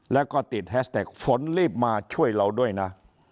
แล้วก็ติดแฮสแท็กฝนรีบมาช่วยเราด้วยนะ